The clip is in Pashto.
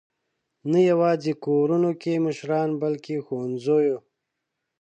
نه یواځې کورونو کې مشران، بلکې ښوونځیو.